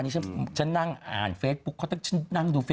ก็ใช่แม่ตกตกนะเธอ